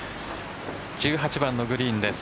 １８番のグリーンです。